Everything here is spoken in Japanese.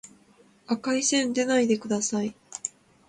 赤い線でないでください